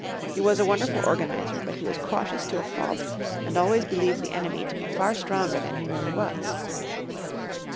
He was a wonderful organiser, but he was cautious to a fault, and always believed the enemy to be far stronger than he really was.